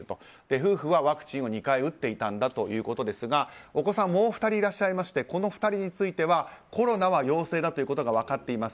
夫婦はワクチンを２回打っていたということですがお子さんがもう２人いらっしゃいましてこの２人についてはコロナは陽性だということが分かっています。